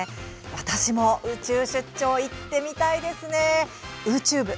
私も、宇宙出張行ってみたいですね。